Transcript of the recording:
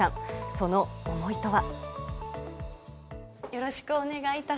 その思いとは。